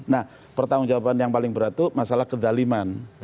nah pertanggung jawaban yang paling berat itu masalah kedaliman